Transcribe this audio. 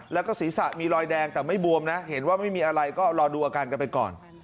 แล้วก็ศีรษะมีรอยแดงแต่ไม่บวมนะเห็นว่าไม่มีอะไรก็รอดูอาการกันไปก่อน